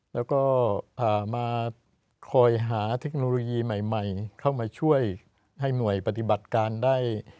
แล้วก็มาคอยหาเทคโนโลยีใหม่เข้ามาช่วยให้หน่วยปฏิบัติการได้